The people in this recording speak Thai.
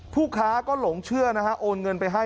ผู้ค้าก็หลงเชื่อนะฮะโอนเงินไปให้